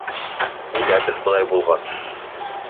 Үләбеҙ, былай булғас.